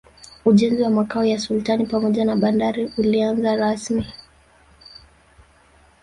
ujenzi wa makao ya sultani pamoja na bandari ulianza rasmi